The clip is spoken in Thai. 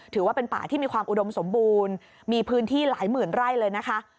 ถือว่าเป็นป่าที่มีความอุดมสมบูรณ์มีพื้นที่หลายหมื่นไร่เลยนะคะ